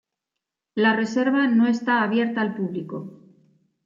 La reserva no está abierta al público.